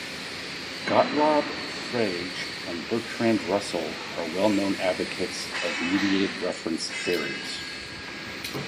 Gottlob Frege and Bertrand Russell are well-known advocates of mediated reference theories.